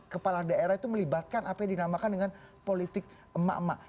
kepala daerah itu melibatkan apa yang dinamakan dengan politik emak emak